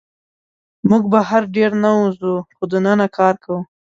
موږ بهر ډېر نه وځو، خو دننه کار کوو.